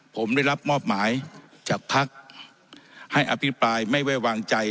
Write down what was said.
ผมได้รับมอบหมายจากภักดิ์ให้อภิปรายไม่ไว้วางใจ